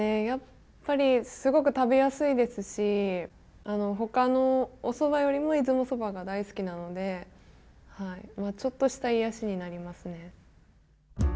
やっぱりすごく食べやすいですしほかのおそばよりも出雲そばが大好きなのではいちょっとした癒やしになりますね。